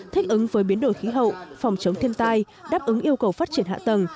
thích ứng với biến đổi khí hậu phòng chống thiên tai đáp ứng yêu cầu phát triển hạ tầng